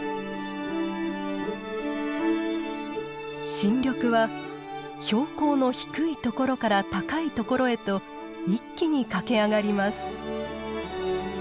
新緑は標高の低いところから高いところへと一気に駆け上がります。